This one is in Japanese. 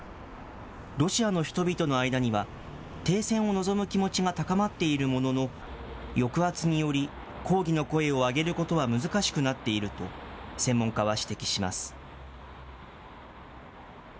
ロシアの人々の間には、停戦を望む気持ちが高まっているものの、抑圧により抗議の声を上げることは難しくなっていると、専門家は指摘します。